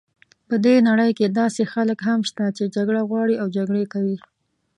په دې نړۍ کې داسې خلک هم شته چې جګړه غواړي او جګړې کوي.